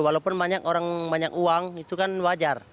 walaupun banyak orang banyak uang itu kan wajar